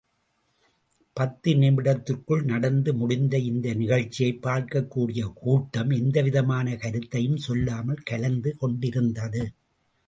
பத்து நிமிடத்திற்குள் நடந்து முடிந்த இந்த நிகழ்ச்சியைப் பார்க்கக்கூடிய கூட்டம் எந்தவிதமான கருத்தையும் சொல்லாமல் கலைந்து கொண்டிருந்தது.